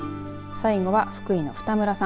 最後は福井の二村さん。